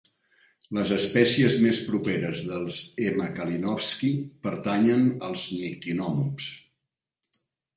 Les espècies més properes dels "M. Kalinowski" pertanyen als "Nyctinomops".